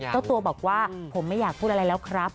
เจ้าตัวบอกว่าผมไม่อยากพูดอะไรแล้วครับ